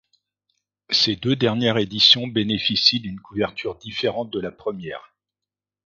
Ces deux dernières éditions bénéficient d'une couverture différente de la première.